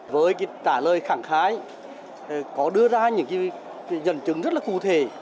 với trả lời khẳng khái có đưa ra những dần chứng rất là cụ thể